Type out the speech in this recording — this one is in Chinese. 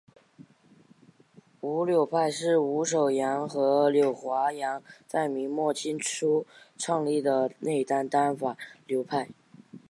伍柳派是伍守阳和柳华阳在明末清初创立的内丹丹法流派。